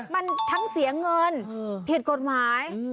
มันทั้งเสียเงินผิดกฎหมาย